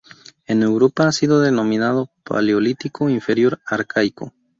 En Europa ha sido denominado Paleolítico Inferior Arcaico.